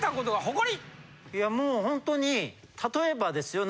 いやもうホントに例えばですよ